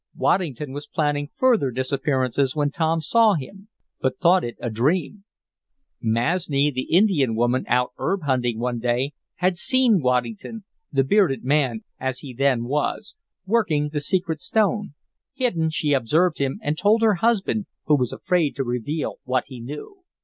Waddington was planning further disappearances when Tom saw him, but thought it a dream. Masni, the Indian woman, out herb hunting one day, had seen Waddington, 'the bearded man' as he then was working the secret stone. Hidden, she observed him and told her husband, who was afraid to reveal what he knew.